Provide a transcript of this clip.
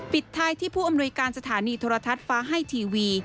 ปิดท้ายที่ผู้อำนวยการสถานีโทรทัศน์ฟ้าให้ทีวี